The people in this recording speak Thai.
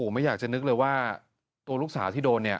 ไม่อยากจะนึกเลยว่าลูกสาวที่โดน